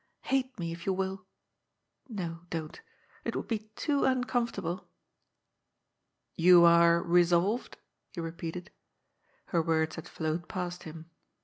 Hate me, if you will. No, don't, it would be too uncomfortable." "You are resolved?" he repeated. Her words had flowed past him.